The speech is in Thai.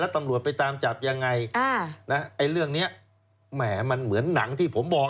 ตำรวจไปตามจับยังไงไอ้เรื่องนี้แหมมันเหมือนหนังที่ผมบอก